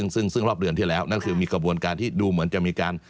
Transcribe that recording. ซึ่งรอบเดือนที่แล้วนั่นคือมีกระบวนการที่ดูเหมือนจะมีการ